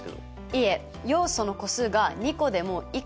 いえ要素の個数が２個でも１個でも。